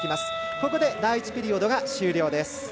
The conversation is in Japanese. ここで第１ピリオドが終了です。